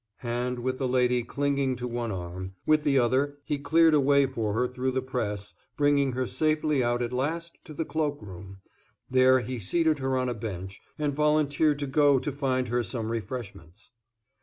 And, with the lady clinging to one arm, with the other he cleared a way for her through the press, bringing her safely out at last to the cloak room; there he seated her on a bench, and volunteered to go to find her some refreshments.